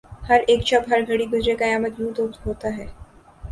ہر اک شب ہر گھڑی گزرے قیامت یوں تو ہوتا ہے